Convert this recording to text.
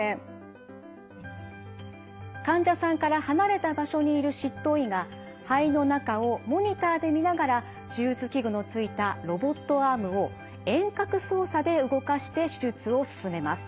患者さんから離れた場所にいる執刀医が肺の中をモニターで見ながら手術器具のついたロボットアームを遠隔操作で動かして手術を進めます。